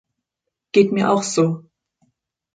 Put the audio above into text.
Geht mir auch so.